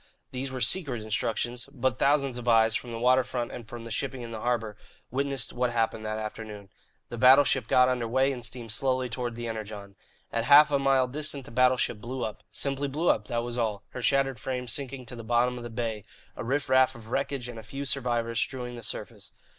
These were secret instructions; but thousands of eyes, from the water front and from the shipping in the harbour, witnessed what happened that afternoon. The battleship got under way and steamed slowly toward the Energon. At half a mile distant the battleship blew up simply blew up, that was all, her shattered frame sinking to the bottom of the bay, a riff raff of wreckage and a few survivors strewing the surface.